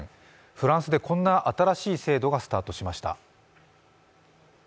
フランスでこんな新しい制度がスタートしました。